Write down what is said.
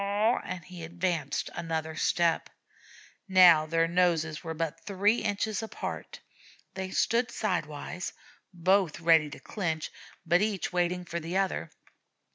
and he advanced another step. Now their noses were but three inches apart; they stood sidewise, both ready to clinch, but each waiting for the other.